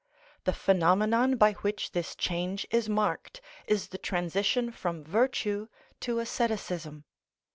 The phenomenon by which this change is marked, is the transition from virtue to asceticism.